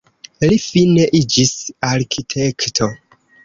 Li fine iĝis arkitekto.